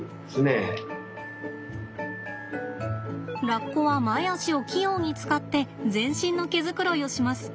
ラッコは前足を器用に使って全身の毛づくろいをします。